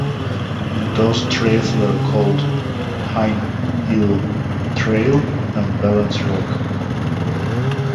Those trails were called Pine Hill Trail and Balance Rock.